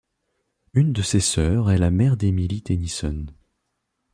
Une de ses sœurs est la mère d'Emily Tennyson.